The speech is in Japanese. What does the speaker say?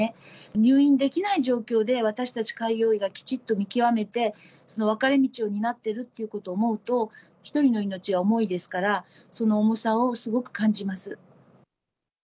入院できない状況で、私たち開業医がきちっと見極めて、分かれ道を担ってるっていうことを思うと、一人の命は重いですから、その重さをすごく感じます。